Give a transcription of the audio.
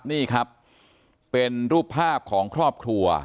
นี่ครับเป็นรูปภาพของครอบครัว